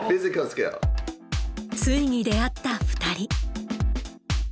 ついに出会った２人。